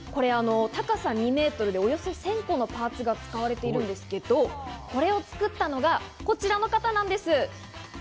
これ、高さ２メートルで、およそ１０００個のパーツが使われているんですけど、これを作ったのがこちらの方なんです。